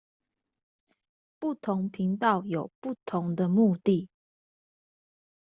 不同頻道有不同的目的